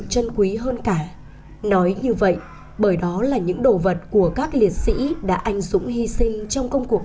chân quý hơn cả nói như vậy bởi đó là những đồ vật của các liệt sĩ đã anh dũng hy sinh trong công cuộc